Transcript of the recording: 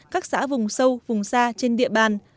các xã vùng sâu vùng xa trên địa bàn